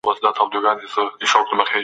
د لویې جرګي د پایلو پلي کول ولي ځنډیږي؟